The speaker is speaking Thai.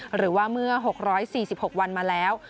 หรือว่าเมื่อ๖๔๖วันมาแล้ว